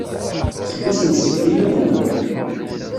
Seg wass n ssebt i uḍneɣ.